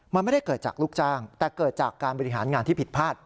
มันไม่ได้เกิดจากลูกจ้างแต่เกิดจากการบริหารงานที่ผิดพลาด